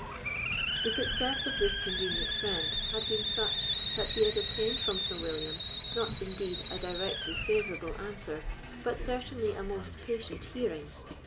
The success of this convenient friend had been such, that he had obtained from Sir William, not indeed a directly favourable answer, but certainly a most patient hearing.